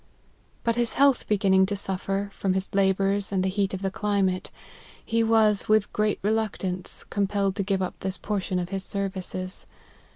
But his health beginning to suffer, from his la bours and the heat of the climate, he was, with great reluctance, compelled to give up this portion of his services.